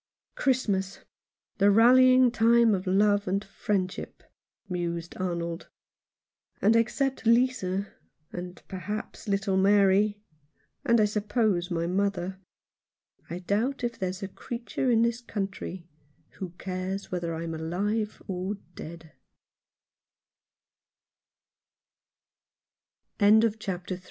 "Christmas — the rallying time of love and friendship," mused Arnold, "and except Lisa — and, perhaps, little Mary — and, I suppose, my mother, I doubt if there's a creature in this country who cares whether I'm alive